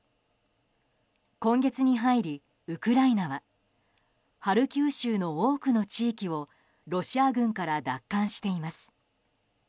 今月に入り、ウクライナはハルキウ州の多くの地域をロシア軍から奪還しています。